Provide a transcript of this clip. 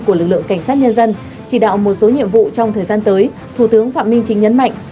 của lực lượng cảnh sát nhân dân chỉ đạo một số nhiệm vụ trong thời gian tới thủ tướng phạm minh chính nhấn mạnh